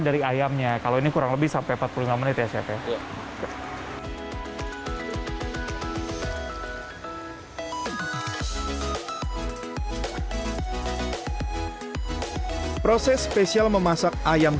dari ayamnya kalau ini kurang lebih sampai empat puluh lima menit ya chef ya proses spesial memasak ayam